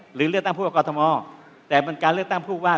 หรือเลือกตั้งผู้ว่ากอทมแต่มันการเลือกตั้งผู้ว่า